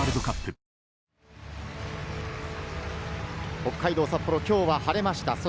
北海道・札幌、きょうは晴れました。